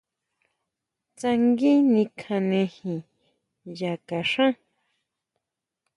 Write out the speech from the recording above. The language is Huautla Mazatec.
Tsangui nikjanejin ya kaxhan.